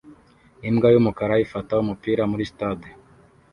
Imbwa yumukara ifata umupira muri sitade